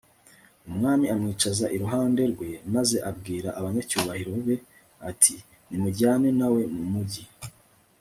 umwami amwicaza iruhande rwe maze abwira abanyacyubahiro be, ati nimujyane na we mu mugi